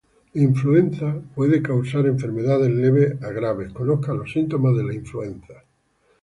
La influenza puede causar enfermedades leves a graves. Conozca los síntomas de la influenza.